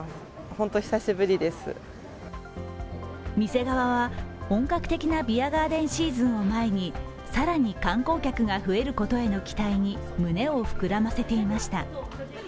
店側は本格的なビアガーデンシーズンを前に更に観光客が増えることへの期待に胸を膨らませていました。